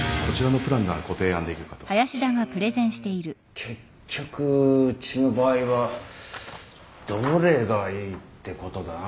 結局うちの場合はどれがいいってことだ？